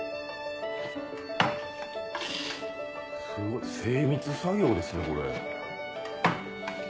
すごい精密作業ですねこれ。